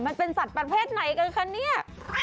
มันเป็นสัตว์ประเภทไหนกันคะเนี่ย